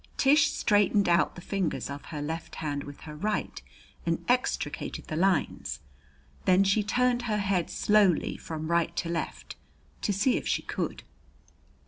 Tish straightened out the fingers of her left hand with her right and extricated the lines. Then she turned her head slowly from right to left to see if she could.